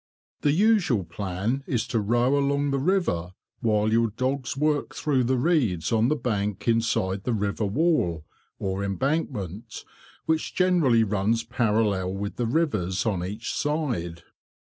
The usual plan is to row along the river while your dogs work through the reeds on the bank inside the river wall, or embankment, which generally runs parallel with the rivers on each side.